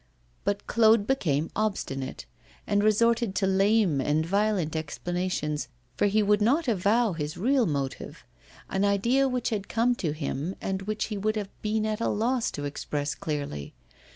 But Claude became obstinate, and resorted to lame and violent explanations, for he would not avow his real motive: an idea which had come to him and which he would have been at a loss to express clearly.